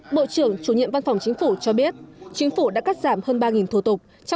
bộ trưởng chủ nhiệm văn phòng chính phủ cho biết chính phủ đã cắt giảm hơn ba thủ tục